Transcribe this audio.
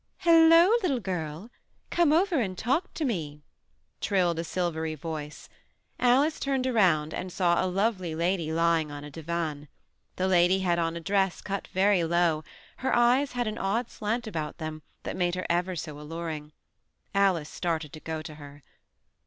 "Hello, little girl. Come over and talk to me," trilled a silvery voice. Alice turned around and saw a lovely lady lying on a divan. The lady had on a dress cut very low ; her eyes had an odd slant about them that made her ever so alluring. Alice started to go to her.